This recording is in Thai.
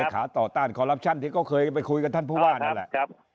เลขาต่อต้านที่ก็เคยไปคุยกันท่านผู้ว่าครับ